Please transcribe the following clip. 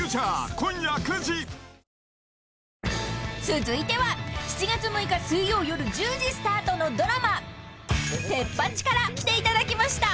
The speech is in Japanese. ［続いては７月６日水曜夜１０時スタートのドラマ『テッパチ！』から来ていただきました！］